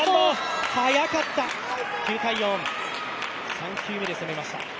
３球目で攻めました。